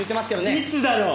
いつだろう？